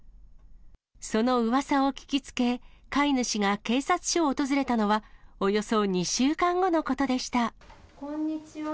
そのうわさを聞きつけ、飼い主が警察署を訪れたのは、およそ２週こんにちは。